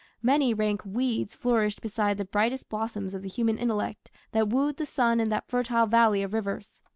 Many rank weeds flourished beside the brightest blossoms of the human intellect that wooed the sun in that fertile valley of rivers.